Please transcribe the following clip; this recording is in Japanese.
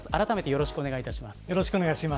よろしくお願いします。